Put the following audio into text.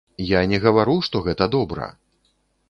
Я не гавару, што гэта добра!